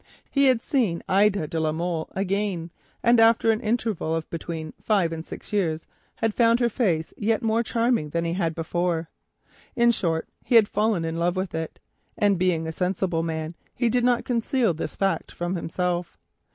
He had seen Ida de la Molle again, and after an interval of between five and six years had found her face yet more charming than it was before. In short he had fallen in love with it, and being a sensible man he did not conceal this fact from himself.